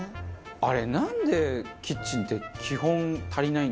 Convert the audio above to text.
あれなんでキッチンって基本足りないんでしょうね。